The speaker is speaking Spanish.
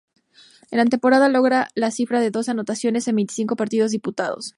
En la temporada logró la cifra de once anotaciones en veinticinco partidos disputados.